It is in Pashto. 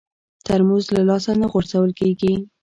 ترموز له لاسه نه غورځول کېږي.